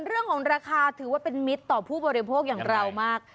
เรื่องของราคาถือว่าเป็นมิตรต่อผู้บริโภคอย่างเรามาก